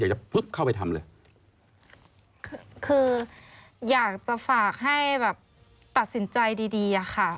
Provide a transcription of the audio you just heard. อยากจะฝากให้ตัดสินใจดีค่ะ